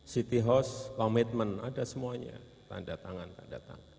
city house komitmen ada semuanya tandatangan tandatangan